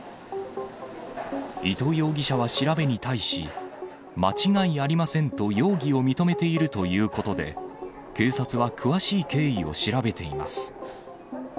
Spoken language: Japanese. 伊藤容疑者は調べに対し、間違いありませんと容疑を認めているということで、警察は詳しい経緯を調べています。